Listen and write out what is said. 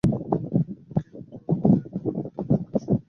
কিন্তু আমাদের এখনো এটা দরকার।